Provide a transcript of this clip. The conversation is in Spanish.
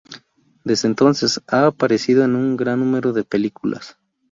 Desde entonces ha aparecido en un gran número de películas.